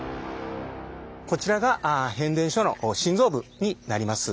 こちらが変電所の心臓部になります。